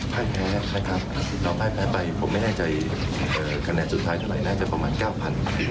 ก่อนหน้านี้มันถึงในการเลือกตั้งใหญ่ล่ะ